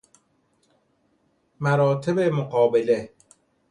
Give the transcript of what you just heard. مراتب مقابله